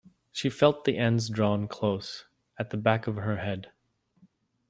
She felt the ends drawn close at the back of her head.